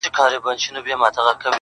شعـر كي مي راپـاتـــه ائـيـنه نـه ده.